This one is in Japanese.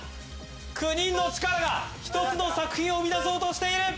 ９人の力が１つの作品を生み出そうとしている。